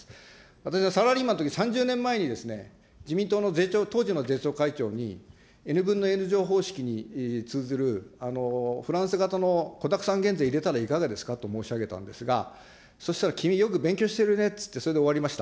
私はサラリーマンのとき、３０年前に、自民党の当時の税調会長に、Ｎ分のＮ乗方式に通ずる、フランス型の子だくさん減税入れたらいかがですかと申し上げたんですが、そしたら君、よく勉強してるねって言われて、それで終わりました。